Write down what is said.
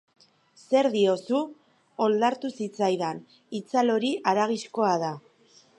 Zer diozu? Oldartu zitzaidan, itzal hori haragizkoa da.